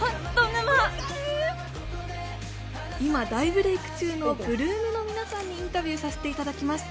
沼・分かる今大ブレイク中の８ＬＯＯＭの皆さんにインタビューさせていただきます